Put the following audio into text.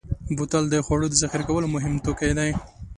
بوتل د خوړو د ذخیره کولو مهم توکی دی.